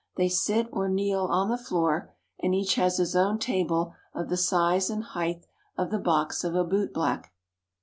They sit or kneel on the floor, and each has his own table of the size and height of the box of a bootblack.